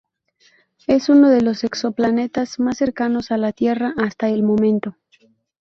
Es uno de los exoplanetas más cercanos a la tierra hasta el momento.